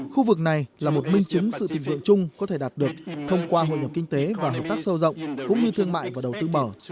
khu vực này là một minh chứng sự tình vượng chung có thể đạt được thông qua hội đồng kinh tế và hợp tác sâu rộng cũng như thương mại và đầu tư bở